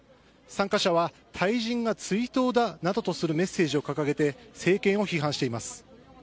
参加者は退陣が追悼だなどとするメッセージを掲げて政権を批判しています。